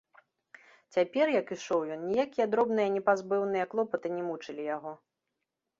Цяпер, як ішоў ён, ніякія дробныя непазбыўныя клопаты не мучылі яго.